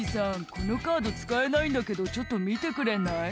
このカード使えないんだけどちょっと見てくれない？」